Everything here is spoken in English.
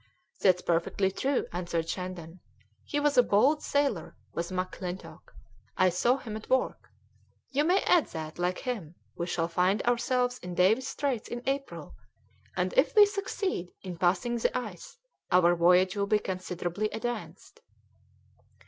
"That's perfectly true," answered Shandon; "he was a bold sailor was McClintock; I saw him at work. You may add that, like him, we shall find ourselves in Davis's Straits in April, and if we succeed in passing the ice our voyage will be considerably advanced."